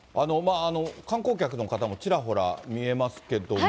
観光客の方も、ちらほら見えますけども。